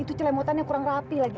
itu celemotan yang kurang rapi lagi